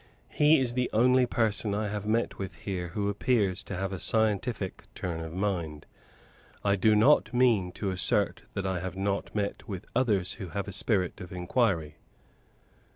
He is the only person I have met with here who appears to have a scientific turn of mind. I do not mean to assert that I have not met with others who have a spirit of inquiry.